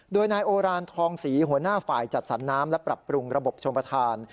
โดยนายโอรานทองศรีหัวหน้าฝ่ายจัดสรรน้ำและปรับปรุงระบบชมประธาน